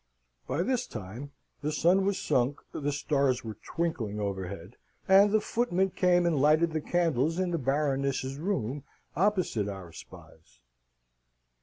By this time the sun was sunk, the stars were twinkling overhead, and the footman came and lighted the candles in the Baroness's room opposite our spies.